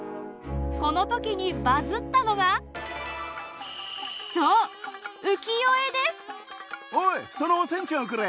この時にバズったのがおいそのお仙ちゃんをくれ！